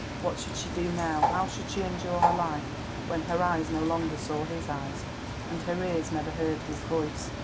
What should she do now, how should she endure her life when her eyes no longer saw his eyes, and her ears never heard his voice?